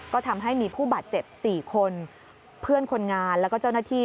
ก็ทำให้มีผู้บาดเจ็บ๔คนเพื่อนคนงานแล้วก็เจ้าหน้าที่